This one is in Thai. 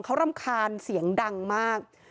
เขารำคาญเสียงดังมาก